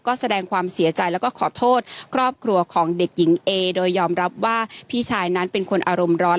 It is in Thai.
ก็แสดงความเสียใจแล้วก็ขอโทษครอบครัวของเด็กหญิงเอโดยยอมรับว่าพี่ชายนั้นเป็นคนอารมณ์ร้อน